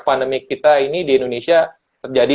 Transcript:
pandemi kita ini di indonesia terjadi